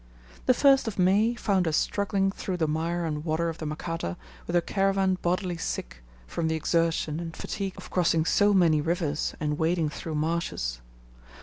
The 1st of May found us struggling through the mire and water of the Makata with a caravan bodily sick, from the exertion and fatigue of crossing so many rivers and wading through marshes.